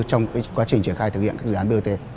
trong quá trình triển khai thực hiện các dự án bot